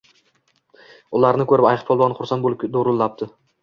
Ularni ko’rib ayiqpolvon xursand bo’lib do’rillabdi: